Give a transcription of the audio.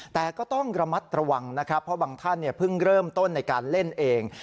แต่ก็ต้องระมัดระวังนะครับเพราะบางท่านเพิ่งเริ่มต้นในการเล่นเอง